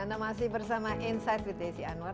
anda masih bersama insight with desi anwar